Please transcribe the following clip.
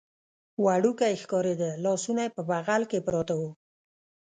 وړوکی ښکارېده، لاسونه یې په بغل کې پراته و.